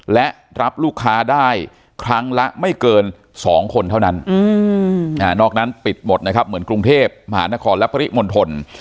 และรับลูกค้าได้ครั้งละไม่เกิน๒คนเท่านั้นนอกนั้นปิดหมดนะครับเหมือนกรุงเทพมหานครและปริมณฑล